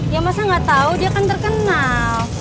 ya masa gak tau dia kan terkenal